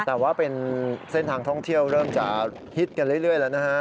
แต่ว่าเป็นเส้นทางท่องเที่ยวเริ่มจะฮิตกันเรื่อยแล้วนะฮะ